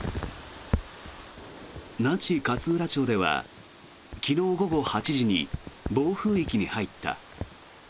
那智勝浦町では昨日午後８時に暴風域に入った。